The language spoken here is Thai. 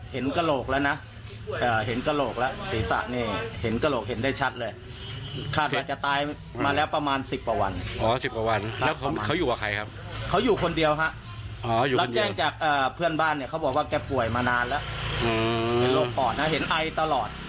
เห็นโรคปอดนะเห็นไอตลอด